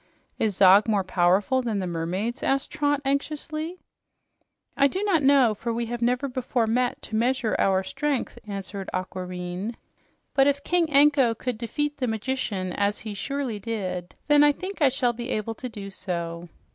"Is Zog more powerful than the mermaids?" asked Trot anxiously. "I do not know, for we have never before met to measure our strength," answered Aquareine. "But if King Anko could defeat the magician, as he surely did, then I think I shall be able to do so."